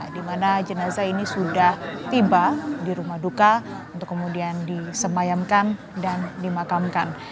di mana jenazah ini sudah tiba di rumah duka untuk kemudian disemayamkan dan dimakamkan